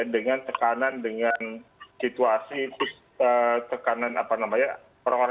dengan tekanan dengan situasi yang sangat berat